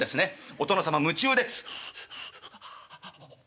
お殿様夢中で。